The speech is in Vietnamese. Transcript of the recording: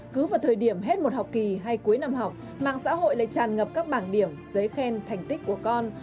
cứ vào thời điểm hết một học kỳ hay cuối năm học mạng xã hội lại tràn ngập các bảng điểm giấy khen thành tích của con